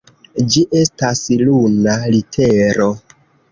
Ĝi estas luna litero.